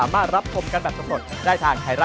มากันไปก่อนสวัสดีค่ะ